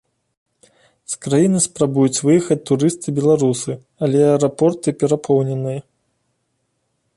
З краіны спрабуюць выехаць турысты-беларусы, але аэрапорты перапоўненыя.